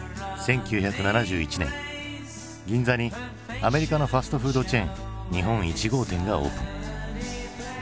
１９７１年銀座にアメリカのファストフードチェーン日本一号店がオープン。